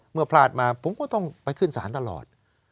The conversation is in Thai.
เมื่อพลาดมาผมก็ต้องไปขึ้นสารตลอด